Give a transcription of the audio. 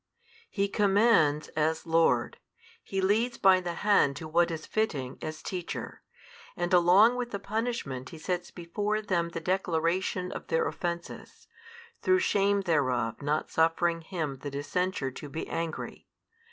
He commands as Lord, He leads by the hand to what is fitting, as teacher; and along with the punishment He sets before them the declaration of their offences, through shame thereof not suffering him that is censured to be angry.